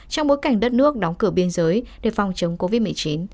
trong bối cảnh đất nước đóng cửa biên giới để phòng chống covid một mươi chín